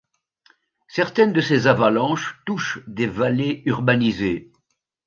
Certaines de ces avalanches touchent des vallées urbanisées.